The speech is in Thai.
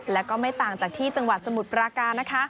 และก็ไม่ต่างจากที่จังหวัดสมุทรปราการนะคะ